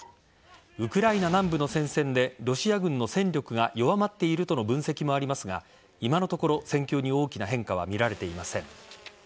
ウクライナ南部の戦線でロシア軍の戦力が弱まっているとの分析もありますが今のところ、戦況に大きな変化は見られていません。